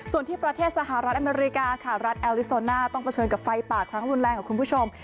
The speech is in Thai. ส่วนที่ประเทศสหรัฐอเมริกาค่ะรัฐแอลลิโซน่าต้องเผชิญกับไฟป่าครั้งรุนแรงกับคุณผู้ชม